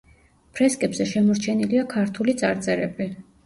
ფრესკებზე შემორჩენილია ქართული წარწერები.